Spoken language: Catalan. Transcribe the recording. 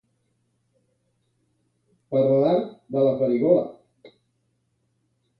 Per l'art de la farigola.